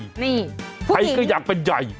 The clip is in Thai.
พวกนี้เคยต้องเป็นได้